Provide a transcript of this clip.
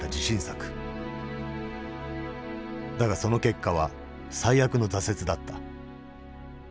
だがその結果は最悪の挫折だった。